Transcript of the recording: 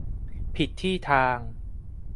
ผิดที่ทาง